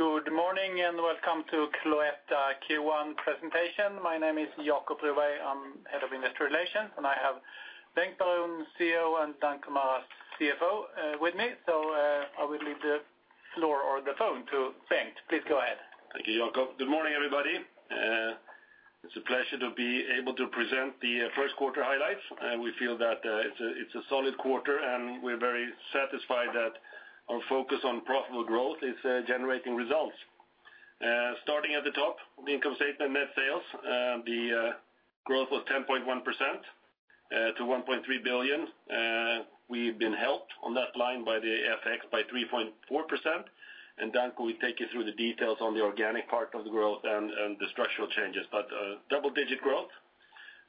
Good morning, and welcome to Cloetta Q1 presentation. My name is Jacob Broberg, I'm Head of Industry Relations, and I have Bengt Baron, CEO, and Danko Maras, CFO, with me. I will leave the floor or the phone to Bengt. Please go ahead. Thank you, Jacob. Good morning, everybody. It's a pleasure to be able to present the first quarter highlights, and we feel that it's a solid quarter, and we're very satisfied that our focus on profitable growth is generating results. Starting at the top, the income statement, net sales, the growth was 10.1% to 1.3 billion. We've been helped on that line by the FX by 3.4%, and Dan will take you through the details on the organic part of the growth and the structural changes. But double-digit growth,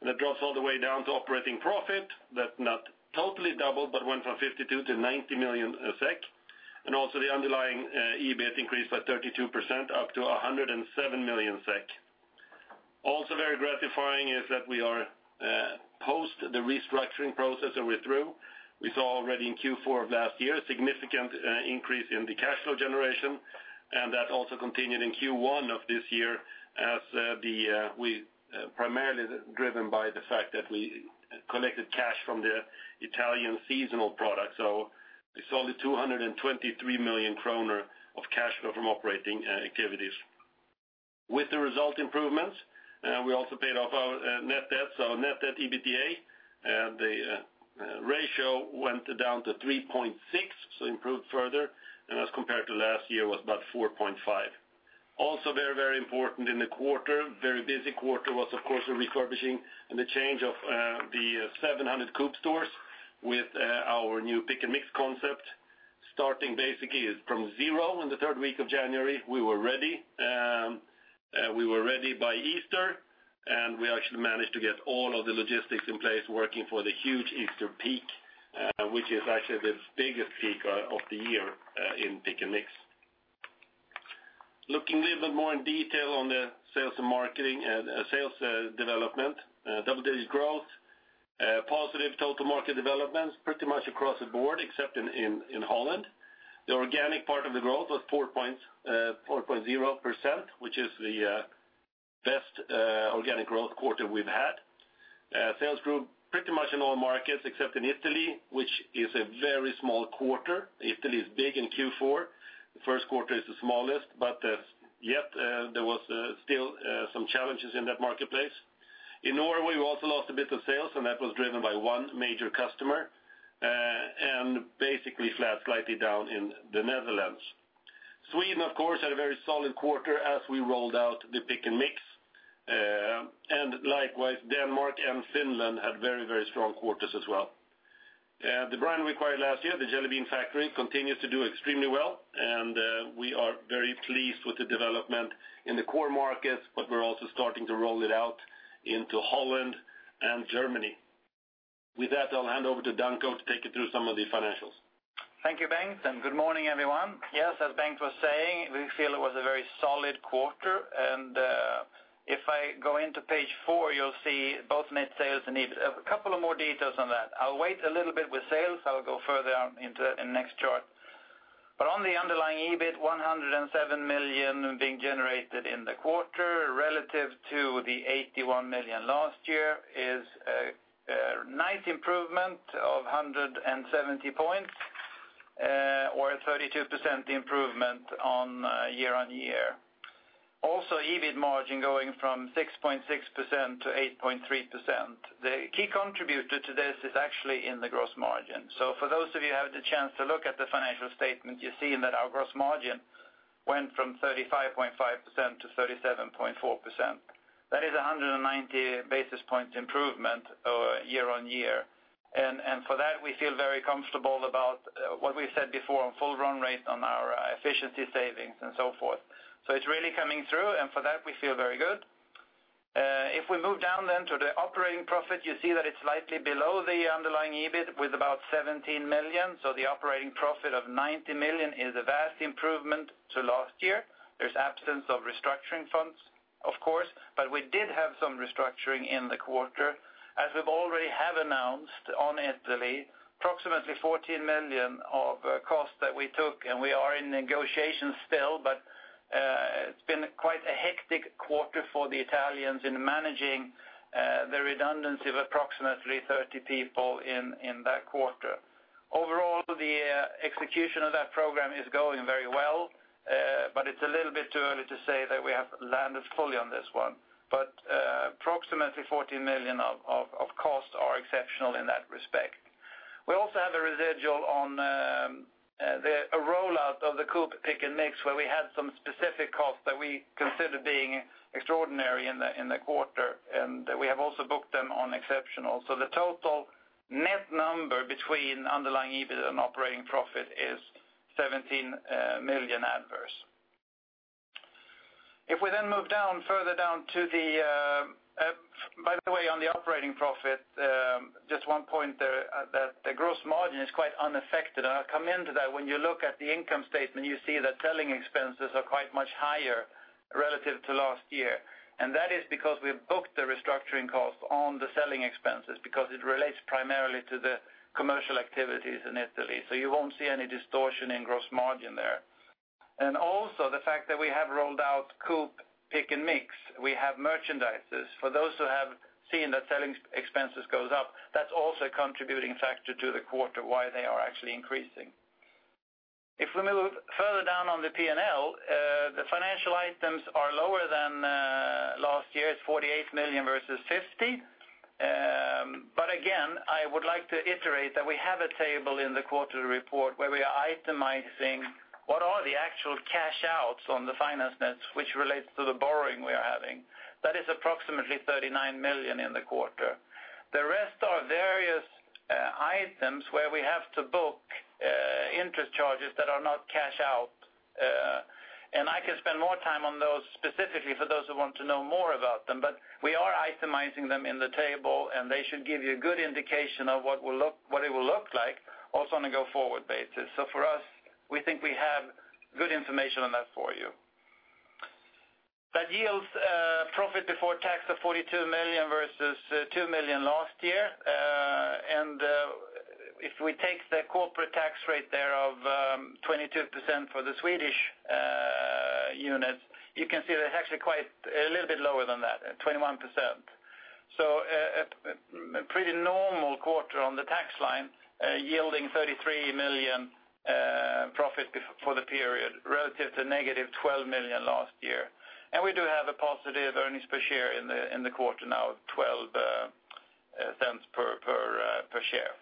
and it drops all the way down to operating profit. That not totally doubled, but went from 52 million to 90 million SEK. And also the underlying EBIT increased by 32%, up to 107 million SEK. Also very gratifying is that we are post the restructuring process that we're through. We saw already in Q4 of last year a significant increase in the cash flow generation, and that also continued in Q1 of this year as primarily driven by the fact that we collected cash from the Italian seasonal product. So a solid 223 million kronor of cash flow from operating activities. With the result improvements, we also paid off our net debt, so net debt/EBITDA ratio went down to 3.6, so improved further, and as compared to last year, was about 4.5. Also very, very important in the quarter, very busy quarter, was, of course, the refurbishing and the change of the 700 Coop stores with our new Pick & Mix concept, starting basically from zero in the third week of January, we were ready. We were ready by Easter, and we actually managed to get all of the logistics in place working for the huge Easter peak, which is actually the biggest peak of the year in Pick & Mix. Looking a little bit more in detail on the sales and marketing and sales development, double-digit growth, positive total market developments pretty much across the board, except in Holland. The organic part of the growth was 4.0%, which is the best organic growth quarter we've had. Sales grew pretty much in all markets, except in Italy, which is a very small quarter. Italy is big in Q4. The first quarter is the smallest, but yet there was still some challenges in that marketplace. In Norway, we also lost a bit of sales, and that was driven by one major customer, and basically flat, slightly down in the Netherlands. Sweden, of course, had a very solid quarter as we rolled out the Pick & Mix. And likewise, Denmark and Finland had very, very strong quarters as well. The brand we acquired last year, the Jelly Bean Factory, continues to do extremely well, and we are very pleased with the development in the core markets, but we're also starting to roll it out into Holland and Germany. With that, I'll hand over to Danko to take you through some of the financials. Thank you, Bengt, and good morning, everyone. Yes, as Bengt was saying, we feel it was a very solid quarter, and, if I go into page four, you'll see both net sales and EBIT, a couple of more details on that. I'll wait a little bit with sales. I'll go further into in the next chart. But on the underlying EBIT, 107 million being generated in the quarter, relative to the 81 million last year, is a, a nice improvement of 170 points, or a 32% improvement on, year-on-year. Also, EBIT margin going from 6.6%-8.3%. The key contributor to this is actually in the gross margin. So for those of you who have the chance to look at the financial statement, you're seeing that our gross margin went from 35.5%-37.4%. That is 190 basis points improvement over year-on-year. And for that, we feel very comfortable about what we said before on full run rate on our efficiency savings and so forth. So it's really coming through, and for that, we feel very good. If we move down then to the operating profit, you see that it's slightly below the underlying EBIT, with about 17 million. So the operating profit of 90 million is a vast improvement to last year. There's absence of restructuring funds, of course, but we did have some restructuring in the quarter. As we've already have announced in Italy, approximately 14 million of costs that we took, and we are in negotiations still, but it's been quite a hectic quarter for the Italians in managing the redundancy of approximately 30 people in that quarter. Overall, the execution of that program is going very well, but it's a little bit too early to say that we have landed fully on this one. But approximately 14 million of costs are exceptional in that respect. We also have a residual on a rollout of the Coop Pick & Mix, where we had some specific costs that we consider being extraordinary in the quarter, and we have also booked them on exceptional. So the total net number between underlying EBIT and operating profit is 17 million adverse. If we then move down, further down to the, by the way, on the operating profit, just one point there, that the gross margin is quite unaffected, and I'll come into that. When you look at the income statement, you see that selling expenses are quite much higher, relative to last year, and that is because we have booked the restructuring costs on the selling expenses, because it relates primarily to the commercial activities in Italy. So you won't see any distortion in gross margin there. And also, the fact that we have rolled out Coop Pick & Mix, we have merchandisers. For those who have seen the selling expenses goes up, that's also a contributing factor to the quarter, why they are actually increasing. If we move further down on the P&L, the financial items are lower than last year's 48 million versus 50 million. But again, I would like to iterate that we have a table in the quarterly report where we are itemizing what are the actual cash outs on the finance nets, which relates to the borrowing we are having. That is approximately 39 million in the quarter. The rest are various items where we have to book interest charges that are not cash out. And I can spend more time on those, specifically for those who want to know more about them, but we are itemizing them in the table, and they should give you a good indication of what it will look like, also on a go-forward basis. So for us, we think we have good information on that for you. That yields profit before tax of 42 million versus 2 million last year. And if we take the corporate tax rate there of 22% for the Swedish unit, you can see that it's actually quite a little bit lower than that, at 21%. So a pretty normal quarter on the tax line, yielding 33 million profit for the period, relative to -12 million last year. And we do have a positive earnings per share in the quarter now, of SEK 0.12 per share.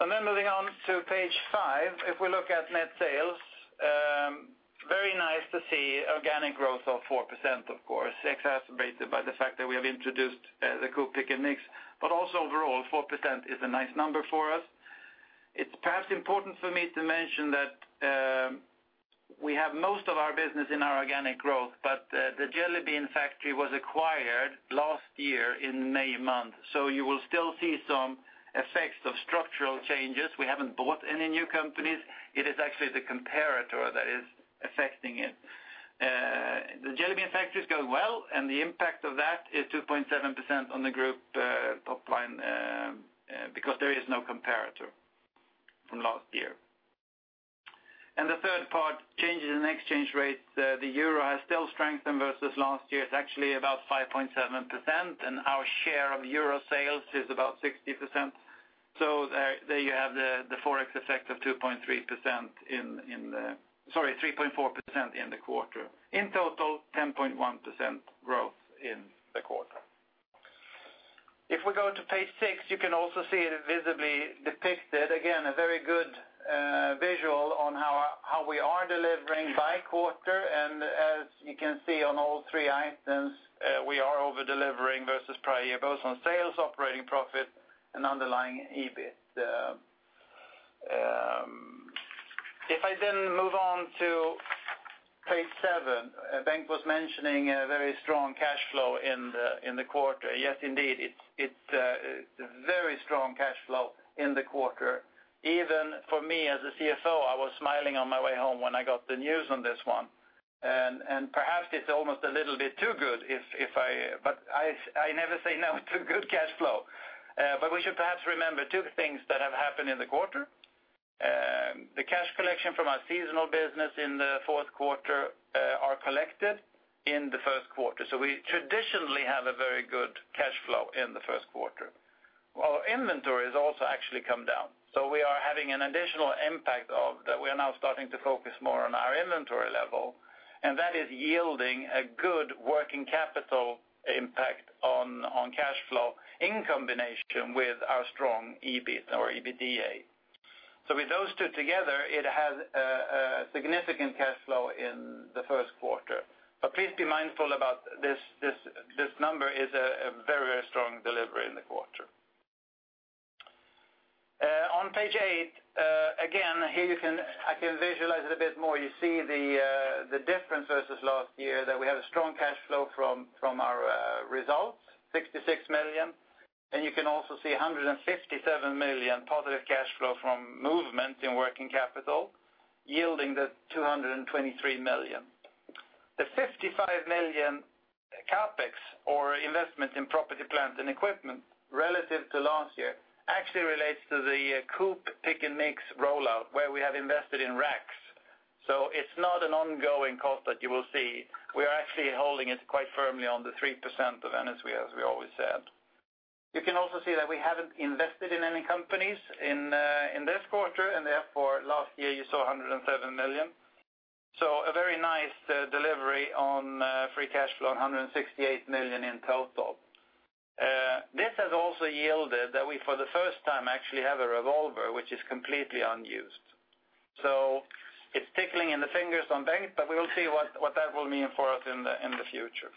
Then moving on to page five, if we look at net sales, very nice to see organic growth of 4%, of course, exacerbated by the fact that we have introduced the Coop Pick & Mix, but also overall, 4% is a nice number for us. It's perhaps important for me to mention that we have most of our business in our organic growth, but the Jelly Bean Factory was acquired last year in May month, so you will still see some effects of structural changes. We haven't bought any new companies. It is actually the comparator that is affecting it. The Jelly Bean Factory is going well, and the impact of that is 2.7% on the group top line, because there is no comparator from last year. And the third part, changes in exchange rates, the euro has still strengthened versus last year. It's actually about 5.7%, and our share of euro sales is about 60%. So there you have the forex effect of 2.3%, sorry, 3.4% in the quarter. In total, 10.1% growth in the quarter. If we go to page six, you can also see it visibly depicted. Again, a very good visual on how we are delivering by quarter. As you can see on all three items, we are over-delivering versus prior year, both on sales, operating profit, and underlying EBIT. If I then move on to page seven, Bengt was mentioning a very strong cash flow in the quarter. Yes, indeed, it's a very strong cash flow in the quarter. Even for me as a CFO, I was smiling on my way home when I got the news on this one. And perhaps it's almost a little bit too good. But I never say no to good cash flow. But we should perhaps remember two things that have happened in the quarter. The cash collection from our seasonal business in the fourth quarter are collected in the first quarter. So we traditionally have a very good cash flow in the first quarter. Our inventory has also actually come down, so we are having an additional impact of that. We are now starting to focus more on our inventory level, and that is yielding a good working capital impact on cash flow in combination with our strong EBIT or EBITDA. So with those two together, it has a significant cash flow in the first quarter. But please be mindful about this number is a very strong delivery in the quarter. On page eight, again, here I can visualize it a bit more. You see the difference versus last year, that we have a strong cash flow from our results, 66 million, and you can also see 157 million positive cash flow from movement in working capital, yielding the 223 million. The 55 million CapEx, or investment in property, plant, and equipment, relative to last year, actually relates to the Coop Pick & Mix rollout, where we have invested in racks. So it's not an ongoing cost that you will see. We are actually holding it quite firmly on the 3% of NSV, as we always said. You can also see that we haven't invested in any companies in this quarter, and therefore, last year you saw 107 million. So a very nice delivery on free cash flow, 168 million in total. This has also yielded that we, for the first time, actually have a revolver, which is completely unused. So it's tickling in the fingers on Bengt, but we will see what that will mean for us in the future.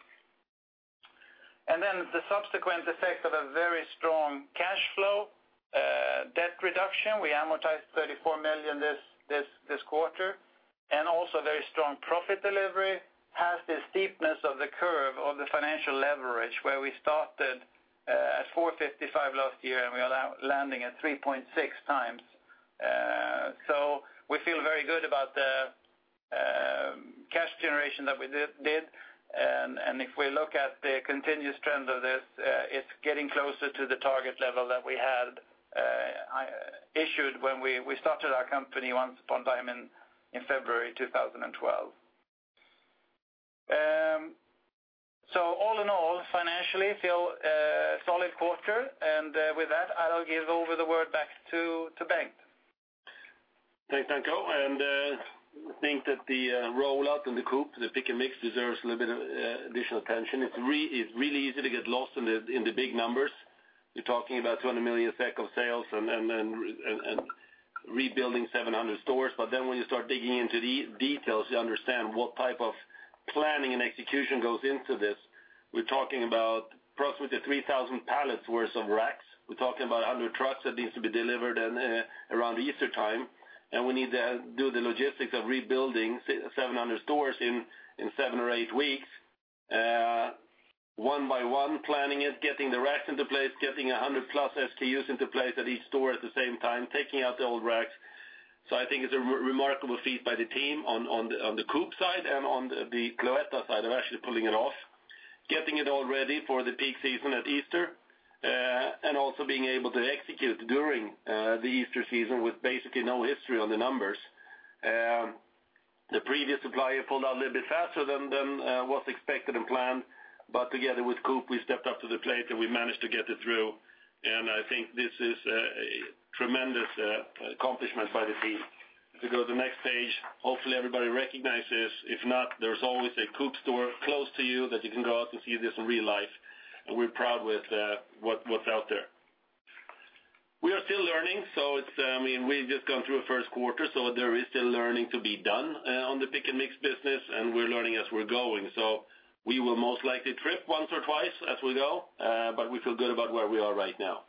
Then the subsequent effect of a very strong cash flow, debt reduction, we amortized 34 million this quarter, and also very strong profit delivery, has the steepness of the curve of the financial leverage, where we started at 4.55 last year, and we are now landing at 3.6x. So we feel very good about the cash generation that we did. And if we look at the continuous trend of this, it's getting closer to the target level that we had issued when we started our company once upon a time in February 2012. So all in all, financially feel solid quarter. And with that, I'll give over the word back to Bengt. Thanks, Danko. I think that the rollout in the Coop, the Pick & Mix, deserves a little bit of additional attention. It's really easy to get lost in the big numbers. You're talking about 200 million SEK of sales and rebuilding 700 stores. But then when you start digging into the details, you understand what type of planning and execution goes into this. We're talking about approximately 3,000 pallets worth of racks. We're talking about 100 trucks that needs to be delivered in around Easter time, and we need to do the logistics of rebuilding 700 stores in seven or eight weeks. One by one, planning it, getting the racks into place, getting 100+ SKUs into place at each store at the same time, taking out the old racks. So I think it's a remarkable feat by the team on the Coop side and on the Cloetta side of actually pulling it off, getting it all ready for the peak season at Easter, and also being able to execute during the Easter season with basically no history on the numbers. The previous supplier pulled out a little bit faster than was expected and planned, but together with Coop, we stepped up to the plate, and we managed to get it through. And I think this is a tremendous accomplishment by the team. If you go to the next page, hopefully everybody recognizes. If not, there's always a Coop store close to you that you can go out and see this in real life, and we're proud with what, what's out there. We are still learning, so it's, I mean, we've just gone through a first quarter, so there is still learning to be done on the Pick & Mix business, and we're learning as we're going. So we will most likely trip once or twice as we go, but we feel good about where we are right now.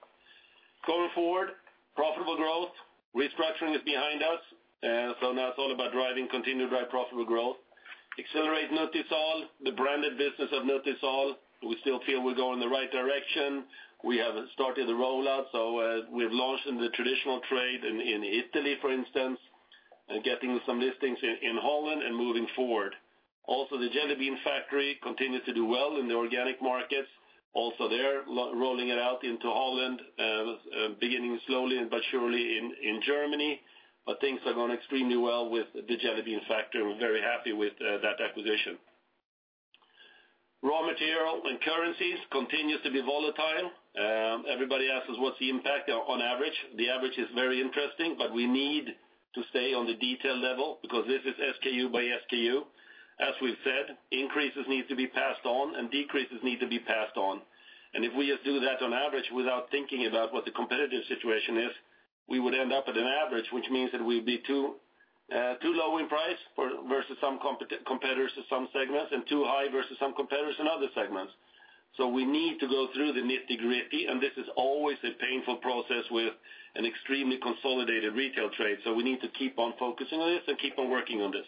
Going forward, profitable growth. Restructuring is behind us, so now it's all about driving continued drive profitable growth. Accelerate Nutisal, the branded business of Nutisal. We still feel we're going in the right direction. We have started the rollout, so we've launched in the traditional trade in Italy, for instance, and getting some listings in Holland and moving forward. Also, The Jelly Bean Factory continues to do well in the organic markets. Also there, rolling it out into Holland, beginning slowly but surely in Germany. But things are going extremely well with The Jelly Bean Factory. We're very happy with that acquisition. Raw material and currencies continues to be volatile. Everybody asks us what's the impact on average? The average is very interesting, but we need to stay on the detail level because this is SKU by SKU. As we've said, increases need to be passed on, and decreases need to be passed on. And if we just do that on average without thinking about what the competitive situation is, we would end up at an average, which means that we'd be too too low in price versus some competitors in some segments and too high versus some competitors in other segments. So we need to go through the nitty-gritty, and this is always a painful process with an extremely consolidated retail trade. So we need to keep on focusing on this and keep on working on this.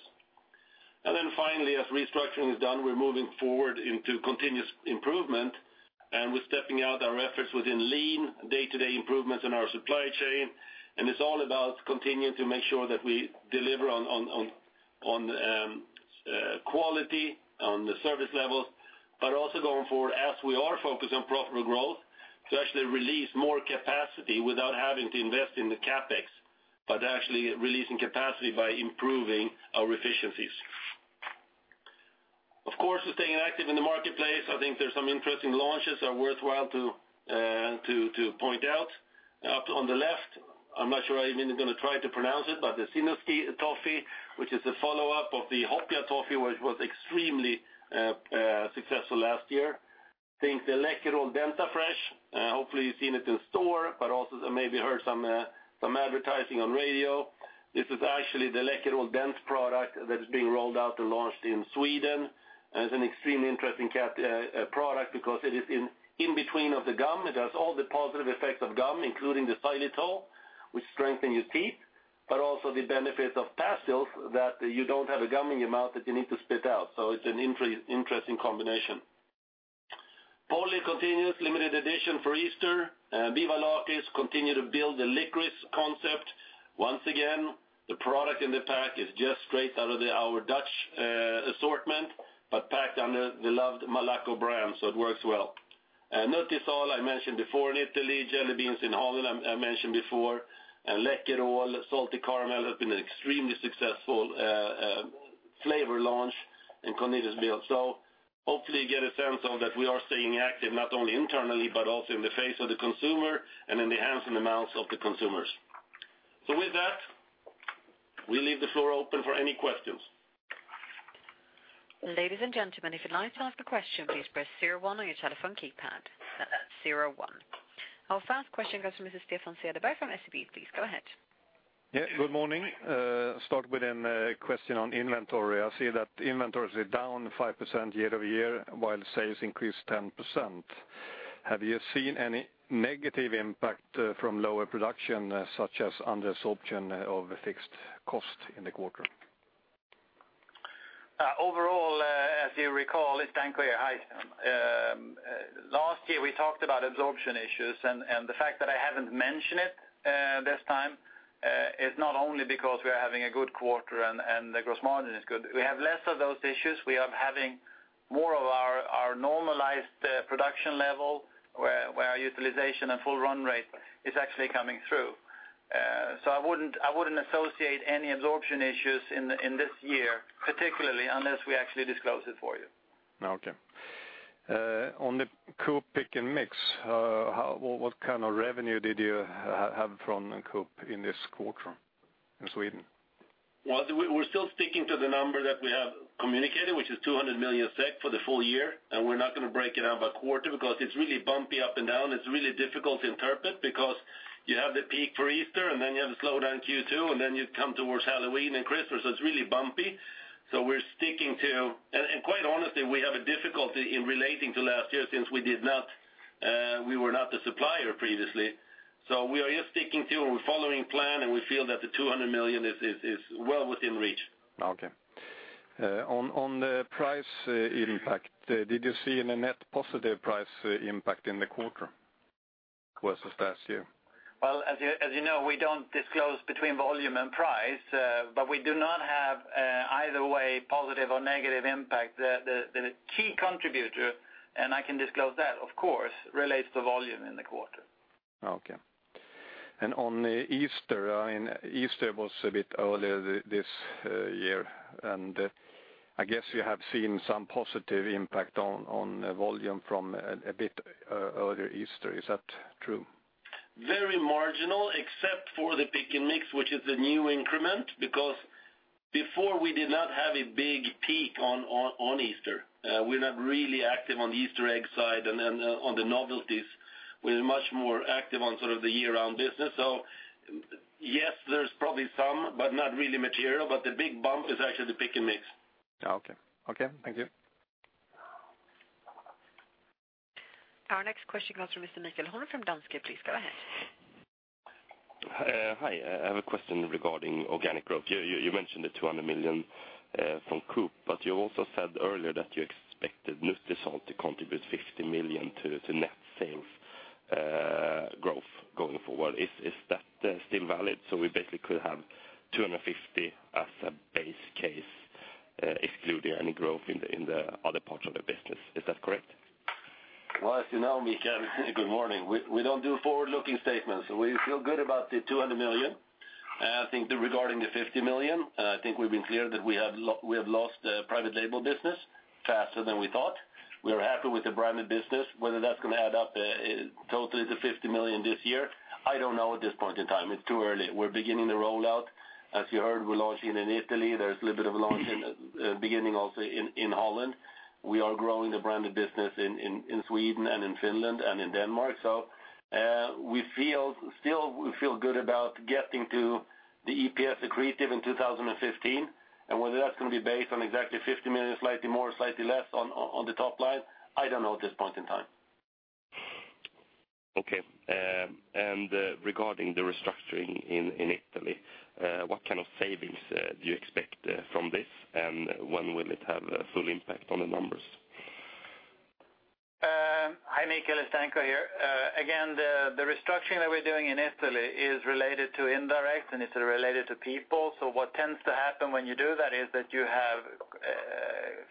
And then finally, as restructuring is done, we're moving forward into continuous improvement, and we're stepping up our efforts within lean day-to-day improvements in our supply chain. It's all about continuing to make sure that we deliver on quality, on the service levels, but also going forward as we are focused on profitable growth, to actually release more capacity without having to invest in the CapEx, but actually releasing capacity by improving our efficiencies. Of course, we're staying active in the marketplace. I think there's some interesting launches are worthwhile to point out. On the left, I'm not sure I even am going to try to pronounce it, but the Tsinuskitoffee, which is a follow-up of the Hopeatoffee, which was extremely successful last year. I think the Läkerol DentaFresh, hopefully, you've seen it in store, but also maybe heard some advertising on radio. This is actually the Läkerol Dent product that is being rolled out and launched in Sweden, and it's an extremely interesting product because it is in between of the gum. It has all the positive effects of gum, including the xylitol, which strengthen your teeth, but also the benefits of pastilles, that you don't have a gum in your mouth that you need to spit out. So it's an interesting combination. Paulig continues limited edition for Easter. Viva Lakrits continue to build the licorice concept. Once again, the product in the pack is just straight out of our Dutch assortment, but packed under the loved Malaco brand, so it works well. And Nutisal, I mentioned before in Italy, jelly beans in Holland, I mentioned before, and Läkerol Salty Caramel has been an extremely successful flavor launch in Kondisbil. So hopefully, you get a sense of that we are staying active, not only internally, but also in the face of the consumer and in the hands and the mouths of the consumers. So with that, we leave the floor open for any questions. Ladies and gentlemen, if you'd like to ask a question, please press zero one on your telephone keypad. Zero one. Our first question goes to Mr. Stefan Cederberg from SEB. Please, go ahead. Yeah, good morning. Start with a question on inventory. I see that inventories are down 5% year-over-year, while sales increased 10%. Have you seen any negative impact from lower production, such as under absorption of fixed cost in the quarter? Overall, as you recall, it's Danko here. Hi, last year we talked about absorption issues, and the fact that I haven't mentioned it this time is not only because we are having a good quarter and the gross margin is good. We have less of those issues. We are having more of our normalized production level, where our utilization and full run rate is actually coming through. So I wouldn't associate any absorption issues in this year, particularly unless we actually disclose it for you. Okay. On the Coop Pick & Mix, what kind of revenue did you have from Coop in this quarter in Sweden? Well, we're still sticking to the number that we have communicated, which is 200 million SEK for the full year, and we're not going to break it down by quarter because it's really bumpy up and down. It's really difficult to interpret because you have the peak for Easter, and then you have the slowdown Q2, and then you come towards Halloween and Christmas, so it's really bumpy. So we're sticking to. And quite honestly, we have a difficulty in relating to last year since we did not, we were not the supplier previously. So we are just sticking to and following plan, and we feel that the 200 million is well within reach. Okay. On the price impact, did you see a net positive price impact in the quarter versus last year? Well, as you, as you know, we don't disclose between volume and price, but we do not have either way, positive or negative impact. The key contributor, and I can disclose that, of course, relates to volume in the quarter. Okay. And on the Easter, I mean, Easter was a bit earlier this year, and I guess you have seen some positive impact on volume from a bit earlier Easter. Is that true? Very marginal, except for the Pick & Mix, which is the new increment, because before we did not have a big peak on Easter. We're not really active on the Easter egg side and then on the novelties. We're much more active on sort of the year-round business. So yes, there's probably some, but not really material, but the big bump is actually the Pick & Mix. Okay, thank you. Our next question comes from Mr. Mikael Holm from Danske. Please go ahead. Hi. I have a question regarding organic growth. You mentioned the 200 million from Coop, but you also said earlier that you expected Nutisal to contribute 50 million to net sales growth going forward. Is that still valid? So we basically could have 250 million as a base case, excluding any growth in the other parts of the business. Is that correct? Well, as you know, Mikael, good morning. We don't do forward-looking statements. We feel good about the 200 million. I think that regarding the 50 million, I think we've been clear that we have lost the private label business faster than we thought. We are happy with the branded business. Whether that's going to add up, totally to 50 million this year, I don't know at this point in time. It's too early. We're beginning the rollout. As you heard, we're launching in Italy. There's a little bit of a launch in, beginning also in, in Holland. We are growing the branded business in Sweden and in Finland and in Denmark. So, we feel, still we feel good about getting to the EPS accretive in 2015, and whether that's going to be based on exactly 50 million, slightly more, slightly less on the top line, I don't know at this point in time. Okay. And regarding the restructuring in Italy, what kind of savings do you expect from this, and when will it have a full impact on the numbers? Hi, Mikael, it's Danko here. Again, the restructuring that we're doing in Italy is related to indirect, and it's related to people. So what tends to happen when you do that is that you have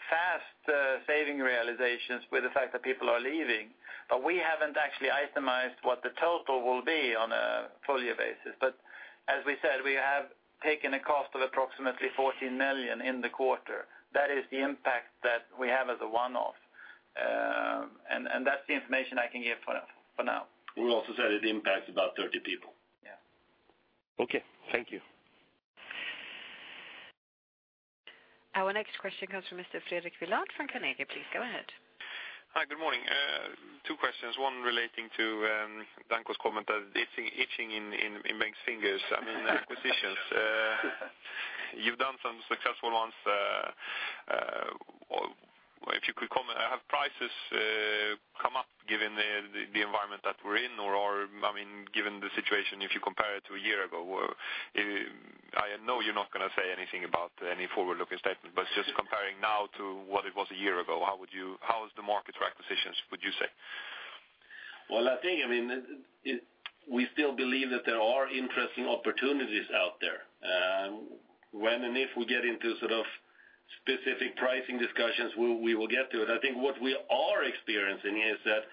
fast saving realizations with the fact that people are leaving, but we haven't actually itemized what the total will be on a full year basis. But as we said, we have taken a cost of approximately 14 million in the quarter. That is the impact that we have as a one-off, and that's the information I can give for now, for now. We also said it impacts about 30 people. Yeah. Okay. Thank you. Our next question comes from Mr. Fredrik Villard from Carnegie. Please go ahead. Hi, good morning. Two questions, one relating to Danko's comment of itching in bank's fingers, I mean, acquisitions. You've done some successful ones, if you could comment, have prices come up given the environment that we're in, or, I mean, given the situation, if you compare it to a year ago? I know you're not going to say anything about any forward-looking statement, but just comparing now to what it was a year ago, how would you—how is the market for acquisitions, would you say? Well, I think, I mean, we still believe that there are interesting opportunities out there. When and if we get into sort of specific pricing discussions, we will get to it. I think what we are experiencing is that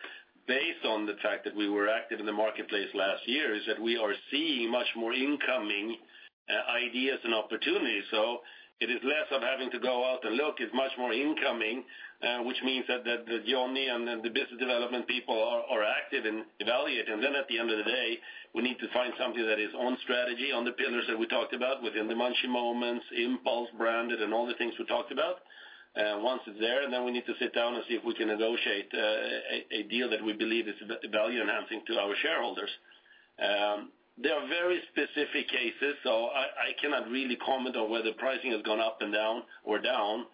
based on the fact that we were active in the marketplace last year, we are seeing much more incoming ideas and opportunities. So it is less of having to go out and look, it's much more incoming, which means that Johnny and the business development people are active in evaluating. Then at the end of the day, we need to find something that is on strategy, on the pillars that we talked about, within the Munchy Moments, impulse, branded, and all the things we talked about. Once it's there, then we need to sit down and see if we can negotiate a deal that we believe is value-enhancing to our shareholders. There are very specific cases, so I cannot really comment on whether pricing has gone up and down or down,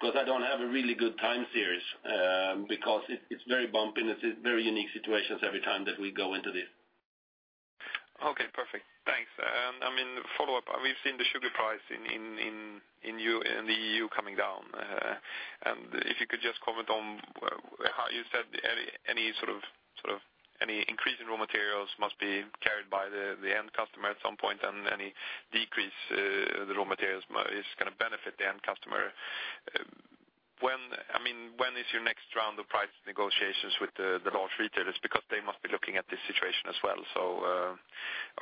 because I don't have a really good time series, because it's very bumpy, and it's very unique situations every time that we go into this. Okay, perfect. Thanks. And I mean, follow-up, we've seen the sugar price in the EU coming down. And if you could just comment on how you said any sort of any increase in raw materials must be carried by the end customer at some point, and any decrease, the raw materials is gonna benefit the end customer. When, I mean, when is your next round of price negotiations with the large retailers? Because they must be looking at this situation as well. So,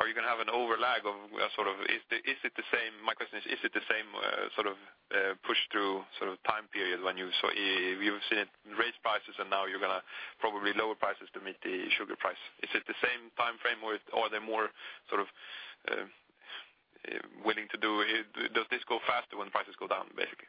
are you gonna have an overlap of sort of is the, is it the same my question is, is it the same sort of push through, sort of time period when you saw, you've seen it raise prices, and now you're gonna probably lower prices to meet the sugar price? Is it the same time frame, or are they more sort of willing to do? Does this go faster when prices go down, basically?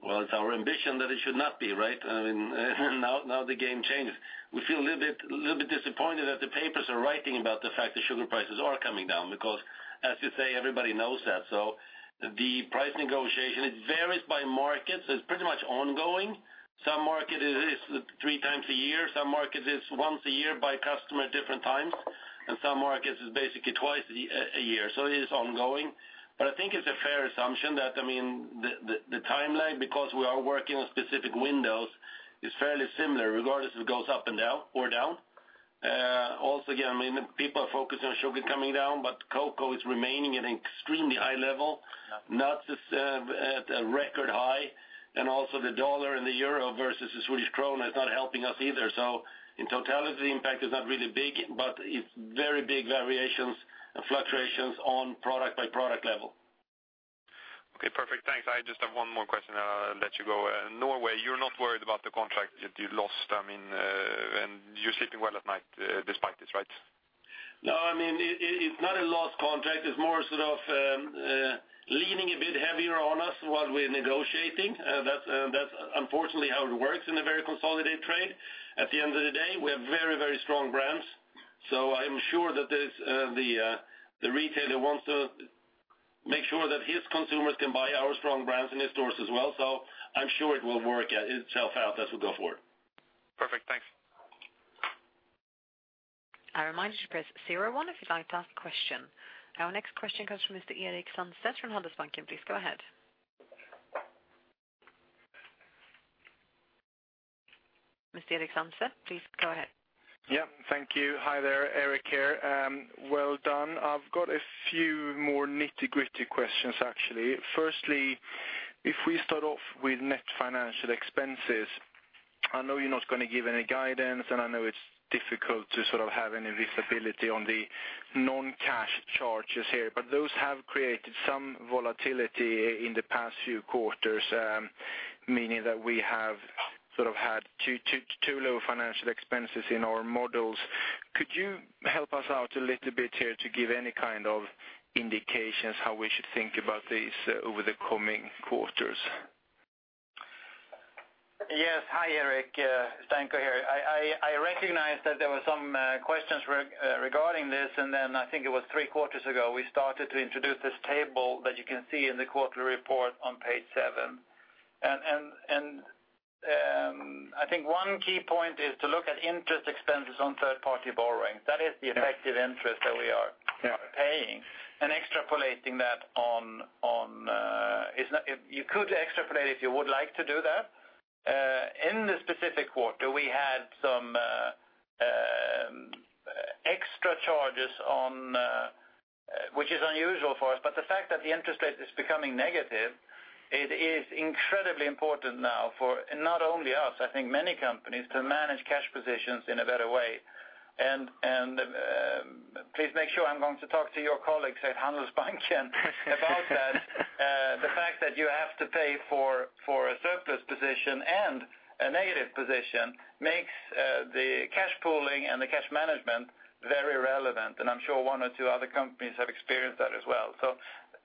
Well, it's our ambition that it should not be, right? I mean, now the game changes. We feel a little bit disappointed that the papers are writing about the fact that sugar prices are coming down, because as you say, everybody knows that. So the price negotiation, it varies by market, so it's pretty much ongoing. Some market it is three times a year, some market is once a year by customer, different times, and some markets is basically twice a year. So it is ongoing. But I think it's a fair assumption that, I mean, the timeline, because we are working on specific windows, is fairly similar, regardless, it goes up and down or down. Also, again, I mean, people are focused on sugar coming down, but cocoa is remaining at an extremely high level, nuts is at a record high, and also the U.S. dollar and the euro versus the Swedish krona is not helping us either. So in totality, the impact is not really big, but it's very big variations and fluctuations on product-by-product level. Okay, perfect. Thanks. I just have one more question, and I'll let you go. Norway, you're not worried about the contract that you lost. I mean, and you're sleeping well at night, despite this, right? No, I mean, it's not a lost contract. It's more sort of leaning a bit heavier on us while we're negotiating. That's unfortunately how it works in a very consolidated trade. At the end of the day, we have very, very strong brands, so I'm sure that the retailer wants to make sure that his consumers can buy our strong brands in his stores as well. So I'm sure it will work itself out as we go forward. Perfect. Thanks. A reminder to press zero one if you'd like to ask a question. Our next question comes from Mr. Erik Sandstedt from Handelsbanken. Please go ahead. Mr. Erik Sandstedt, please go ahead. Yeah. Thank you. Hi there, Erik here, well done. I've got a few more nitty-gritty questions, actually. Firstly, if we start off with net financial expenses, I know you're not gonna give any guidance, and I know it's difficult to sort of have any visibility on the non-cash charges here, but those have created some volatility in the past few quarters, meaning that we have sort of had too low financial expenses in our models. Could you help us out a little bit here to give any kind of indications how we should think about these over the coming quarters? Yes. Hi, Erik, Danko here. I recognize that there were some questions regarding this, and then I think it was three quarters ago, we started to introduce this table that you can see in the quarterly report on page seven. I think one key point is to look at interest expenses on third-party borrowing. That is the effective interest that we are paying and extrapolating that on, it's not you could extrapolate it, if you would like to do that. In this specific quarter, we had some extra charges on, which is unusual for us, but the fact that the interest rate is becoming negative, it is incredibly important now for and not only us, I think many companies to manage cash positions in a better way. And please make sure I'm going to talk to your colleagues at Handelsbanken about that. The fact that you have to pay for a surplus position and a negative position makes the cash pooling and the cash management very relevant, and I'm sure one or two other companies have experienced that as well. So,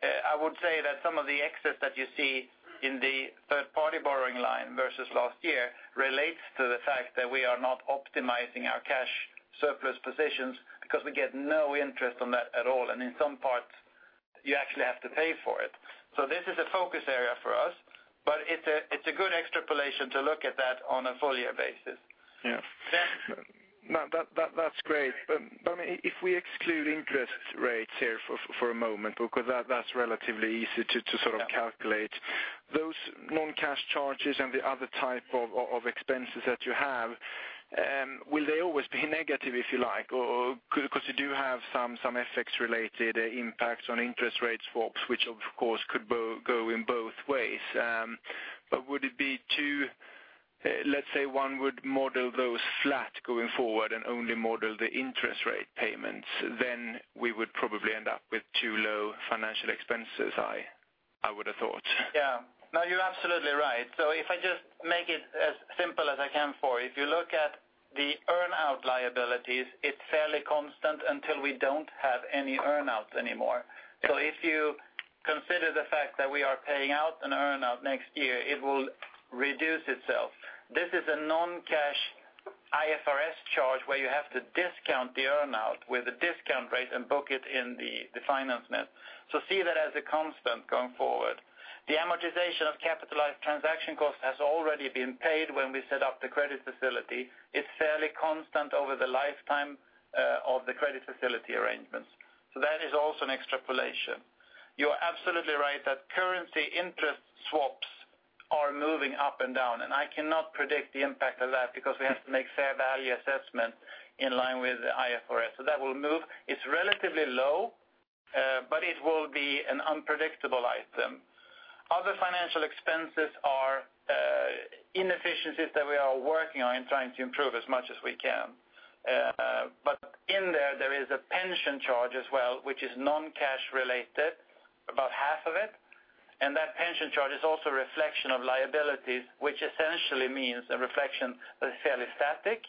I would say that some of the excess that you see in the third-party borrowing line versus last year relates to the fact that we are not optimizing our cash surplus positions because we get no interest on that at all, and in some parts, you actually have to pay for it. So this is a focus area for us, but it's a, it's a good extrapolation to look at that on a full year basis. Yeah. Yeah. No, that's great. But if we exclude interest rates here for a moment, because that's relatively easy to sort of calculate those non-cash charges and the other type of expenses that you have. Will they always be negative, if you like? Or, because you do have some FX-related impacts on interest rate swaps, which of course could go in both ways. But would it be too, let's say one would model those flat going forward and only model the interest rate payments, then we would probably end up with too low financial expenses, I would have thought. Yeah. No, you're absolutely right. So if I just make it as simple as I can for you, if you look at the earn-out liabilities, it's fairly constant until we don't have any earn-out anymore. So if you consider the fact that we are paying out an earn-out next year, it will reduce itself. This is a non-cash IFRS charge, where you have to discount the earn-out with a discount rate and book it in the finance net. So see that as a constant going forward. The amortization of capitalized transaction costs has already been paid when we set up the credit facility. It's fairly constant over the lifetime of the credit facility arrangements, so that is also an extrapolation. You are absolutely right that currency interest swaps are moving up and down, and I cannot predict the impact of that because we have to make fair value assessment in line with the IFRS. So that will move. It's relatively low, but it will be an unpredictable item. Other financial expenses are inefficiencies that we are working on and trying to improve as much as we can. But in there, there is a pension charge as well, which is non-cash related, about half of it, and that pension charge is also a reflection of liabilities, which essentially means a reflection that is fairly static.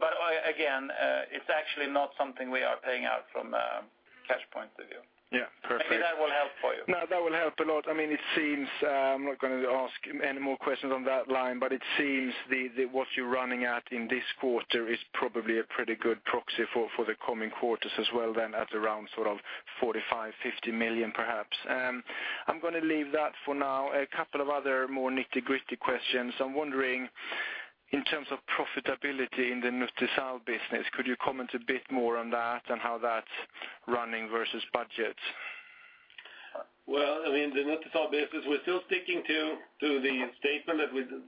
But again, it's actually not something we are paying out from a cash point of view. Yeah, perfect. Maybe that will help for you. No, that will help a lot. I mean, it seems, I'm not gonna ask any more questions on that line, but it seems the, the what you're running at in this quarter is probably a pretty good proxy for, for the coming quarters as well, then, at around sort of 45 million-50 million, perhaps. I'm gonna leave that for now. A couple of other more nitty-gritty questions. I'm wondering, in terms of profitability in the Nutisal business, could you comment a bit more on that and how that's running versus budget? Well, I mean, the Nutisal business, we're still sticking to the statement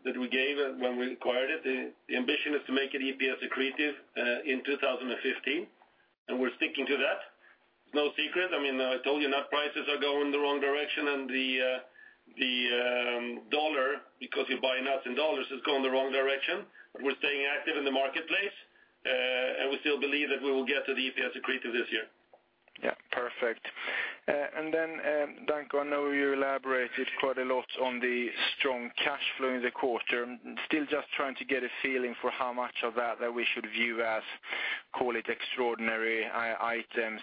that we gave when we acquired it. The ambition is to make it EPS accretive in 2015, and we're sticking to that. It's no secret, I mean, I told you, nut prices are going the wrong direction, and the dollar, because you buy nuts in dollars, is going the wrong direction. We're staying active in the marketplace, and we still believe that we will get to the EPS accretive this year. Yeah. Perfect. And then, Danko, I know you elaborated quite a lot on the strong cash flow in the quarter. Still just trying to get a feeling for how much of that we should view as, call it, extraordinary items,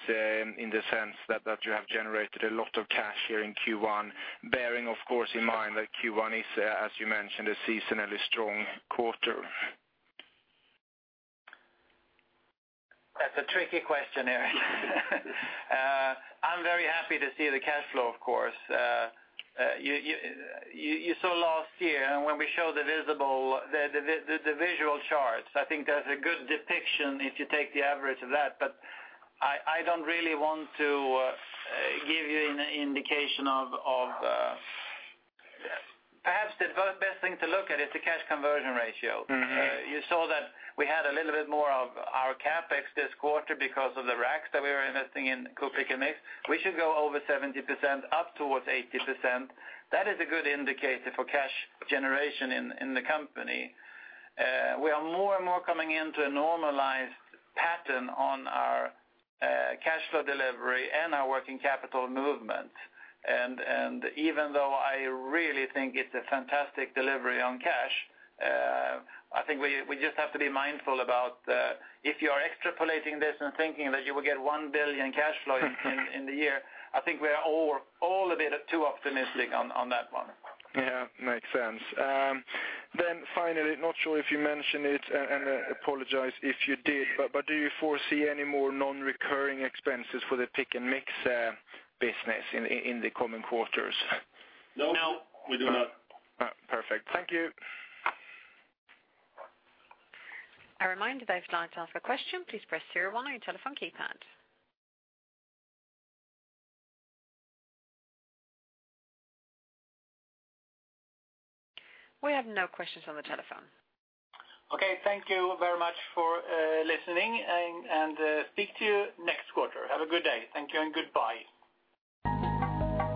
in the sense that you have generated a lot of cash here in Q1. Bearing of course in mind that Q1 is, as you mentioned, a seasonally strong quarter. That's a tricky question, Erik. I'm very happy to see the cash flow, of course. You saw last year when we showed the visual charts. I think that's a good depiction if you take the average of that. But I don't really want to give you an indication perhaps the first best thing to look at is the cash conversion ratio. You saw that we had a little bit more of our CapEx this quarter because of the racks that we were investing in Coop Pick & Mix. We should go over 70%, up towards 80%. That is a good indicator for cash generation in the company. We are more and more coming into a normalized pattern on our cash flow delivery and our working capital movement. And even though I really think it's a fantastic delivery on cash, I think we just have to be mindful about if you are extrapolating this and thinking that you will get 1 billion cash flow in the year, I think we are all a bit too optimistic on that one. Yeah, makes sense. Then finally, not sure if you mentioned it, and I apologize if you did, but do you foresee any more non-recurring expenses for the Pick & Mix business in the coming quarters? No. No, we do not. Perfect. Thank you. A reminder that if you'd like to ask a question, please press zero one on your telephone keypad. We have no questions on the telephone. Okay, thank you very much for listening, and speak to you next quarter. Have a good day. Thank you and goodbye.